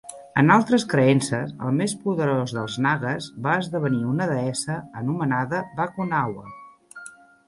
En altres creences, el més poderós dels Nagas va esdevenir una deessa anomenada Bakunawa.